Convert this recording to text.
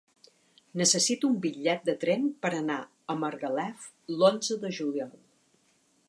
Necessito un bitllet de tren per anar a Margalef l'onze de juliol.